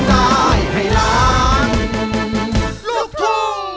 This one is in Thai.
ลาดด่าดด่าดด่าดด่า